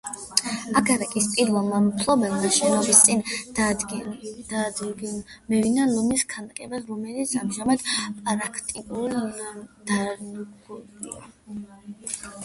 აგარაკის პირველმა მფლობელმა შენობის წინ დაადგმევინა ლომის ქანდაკება, რომელიც ამჟამად პრაქტიკულად დანგრეულია.